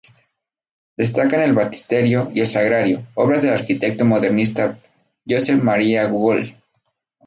Destacan el baptisterio y el sagrario, obras del arquitecto modernista Josep Maria Jujol.